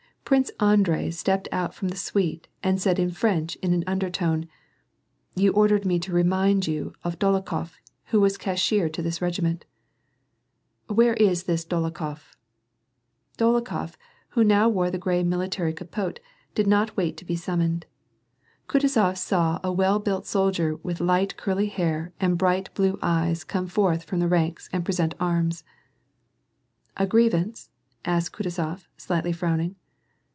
Prince Andrei stepped out from the suite and said in French in an undertone, — "You ordered me to remind you of Dolokhof, who was cashiered to this regiment "— "Where is this Dolokhof ?" Dolokhof who now wore the gray military capote, did not wait to be summoned. Kutuzof saw a well built soldier with light curly hair and bright blue eyes come forth from the ranks and present arms. A grievance ?" asked Kutuzof, slightly frowning.